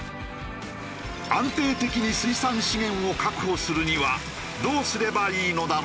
安定的に水産資源を確保するにはどうすればいいのだろうか？